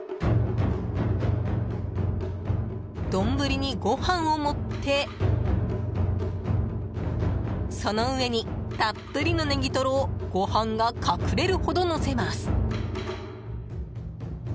丼にご飯を盛ってその上にたっぷりのネギトロをご飯が隠れるほどのせます。